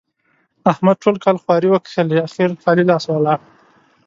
احمد ټول کال خواري وکښلې؛ اخېر خالي لاس ولاړ.